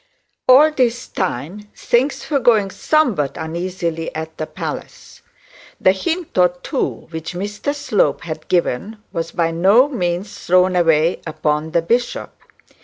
All this time things were going on somewhat uneasily at the palace. The hint or two which Mr Slope had given was by no means thrown away upon the bishop.